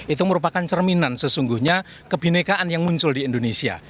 itu merupakan cerminan sesungguhnya kebinekaan yang muncul di indonesia